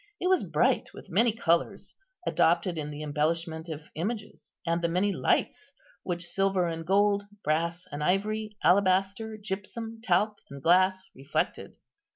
It was bright with the many colours adopted in the embellishment of images, and the many lights which silver and gold, brass and ivory, alabaster, gypsum, talc, and glass reflected.